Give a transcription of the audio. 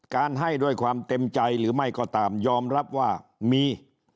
ให้ด้วยความเต็มใจหรือไม่ก็ตามยอมรับว่ามี